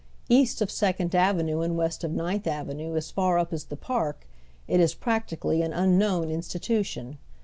East of Second Avenue, and west of Ivinili Avenue as far up as tlie Park, it is practically an unknown institution.